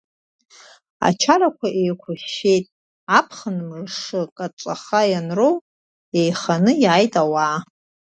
Ачарақәа еиқәымшәеит, аԥхын мшы каҵәаха ианроу еиханы иааит ауаа.